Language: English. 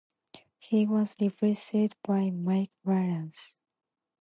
He was replaced by Mike Wallace.